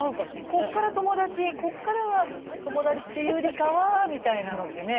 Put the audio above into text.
こっから友達こっからは友達っていうよりかはみたいなのってね。